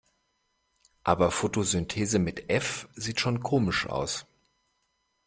Aber Fotosynthese mit F sieht schon komisch aus.